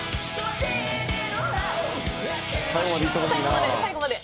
「最後まで最後まで」